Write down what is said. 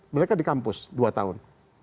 satu dua tiga empat mereka di kampus dua tahun